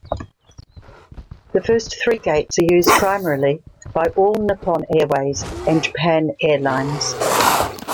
The first three gates are used primarily by All Nippon Airways and Japan Airlines.